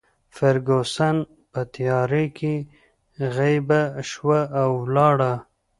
فرګوسن په تیارې کې غیبه شوه او ولاړه.